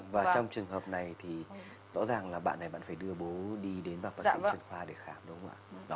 và trong trường hợp này thì rõ ràng là bạn này bạn phải đưa bố đi đến bác bác sĩ truyền khoa để khám đúng không ạ